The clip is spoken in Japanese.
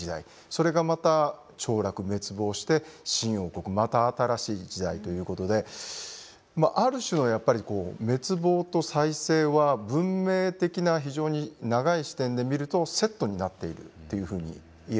それがまた凋落滅亡して新王国また新しい時代ということである種のやっぱりこう滅亡と再生は文明的な非常に長い視点で見るとセットになっているというふうに言えるんじゃないかなと思います。